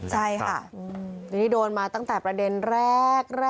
ใช่ค่ะทีนี้โดนมาตั้งแต่ประเด็นแรก